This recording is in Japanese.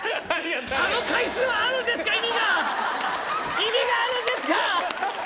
意味があるんですか！？